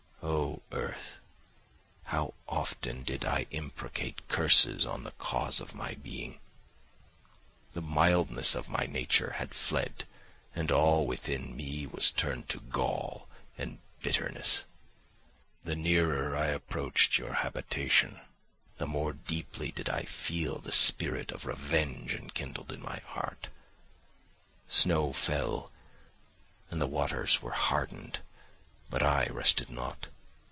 Oh, earth! How often did I imprecate curses on the cause of my being! The mildness of my nature had fled, and all within me was turned to gall and bitterness. The nearer I approached to your habitation, the more deeply did I feel the spirit of revenge enkindled in my heart. Snow fell, and the waters were hardened, but I rested not.